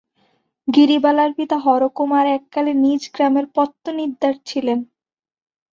গিরিবালার পিতা হরকুমার এককালে নিজগ্রামের পত্তনিদার ছিলেন।